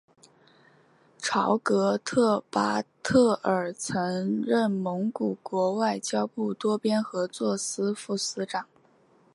朝格特巴特尔曾任蒙古国外交部多边合作司副司长。